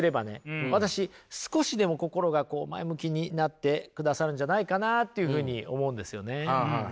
私少しでも心が前向きになってくださるんじゃないかなというふうに思うんですよね。